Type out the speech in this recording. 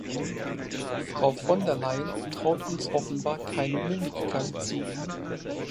Frau von der Leyen traut uns offenbar keine Mündigkeit zu.